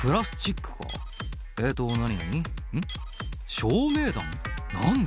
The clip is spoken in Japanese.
「照明弾何で？」